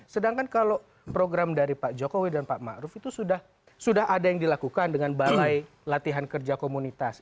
sedangkan kalau program dari pak jokowi dan pak ⁇ maruf ⁇ itu sudah ada yang dilakukan dengan balai latihan kerja komunitas